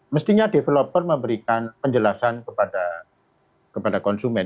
mestinya developer memberikan penjelasan kepada konsumen